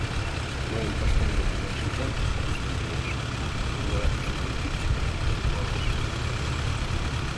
Мыйын паштеҥге пурла шинчам уждымо лиеш — пурла шӱргӧ кӱпчык гай пуалеш...